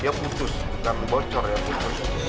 dia putus bukan bocor ya putus